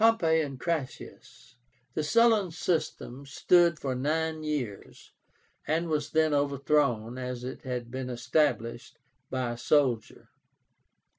POMPEY AND CRASSUS. The Sullan system stood for nine years, and was then overthrown, as it had been established, by a soldier.